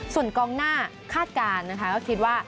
ส่วนกองหน้าคาดการณ์นะคะก็คิดว่า